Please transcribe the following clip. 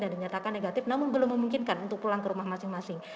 dan dinyatakan negatif namun belum memungkinkan untuk pulang ke rumah masing masing